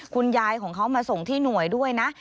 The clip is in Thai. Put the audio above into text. คุณยายของเขามาส่งที่หน่วยด้วยนะ